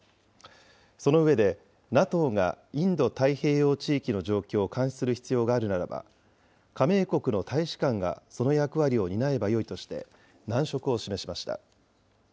その上で、ＮＡＴＯがインド太平洋地域の状況を監視する必要があるならば、加盟国の大使館がその役割を担えばよいとして、難色を示しました。